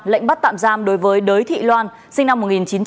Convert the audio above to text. lệnh bắt tạm giam đối với đới thị loan sinh năm một nghìn chín trăm tám mươi